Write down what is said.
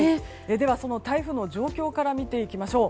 では、その台風の状況から見ていきましょう。